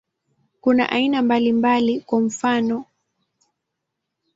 Kuna aina mbalimbali, kwa mfano.